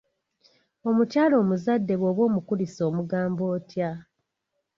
Omukyala omuzadde bw'oba omukulisa omugamba otya?